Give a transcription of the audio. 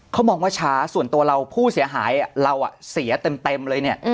เขามองว่าช้าส่วนตัวเราผู้เสียหายเราเสียเต็มเลยเนี่ย